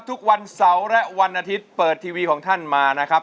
ทุกวันเสาร์และวันอาทิตย์เปิดทีวีของท่านมานะครับ